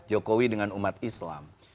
jokowi dengan umat islam